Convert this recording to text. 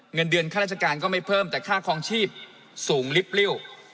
เงินเดือนค่าราชการก็ไม่เพิ่มแต่ค่าคลองชีพสูงลิปริ้ว